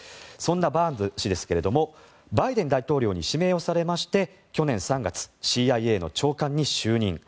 そんなバーンズ氏ですがバイデン大統領に指名されまして去年３月、ＣＩＡの長官に就任。